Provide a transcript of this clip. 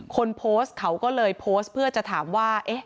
คนโพสต์เขาก็เลยโพสต์เพื่อจะถามว่า